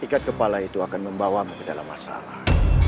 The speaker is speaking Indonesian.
ikat kepala itu akan membawamu ke dalam masalah